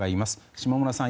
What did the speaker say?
下村さん